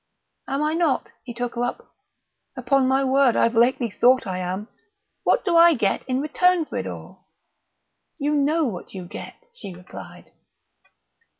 "Am I not?" he took her up. "Upon my word, I've lately thought I am! What do I get in return for it all?" "You know what you get," she replied.